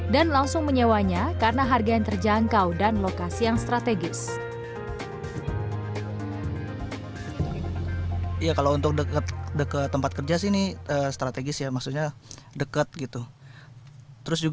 dan langsung menyewanya karena harga yang terjangkau dan lokasi yang strategis